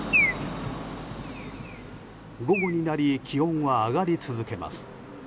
午後になり気温は上がり続けます。